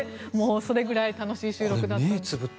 それぐらい楽しい収録でした。